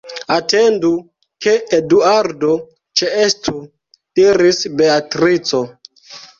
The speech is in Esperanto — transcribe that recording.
Atendu, ke Eduardo ĉeestu, diris Beatrico.